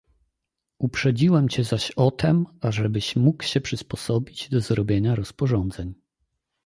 "Uprzedziłem cię zaś o tem, ażebyś mógł się przysposobić do zrobienia rozporządzeń."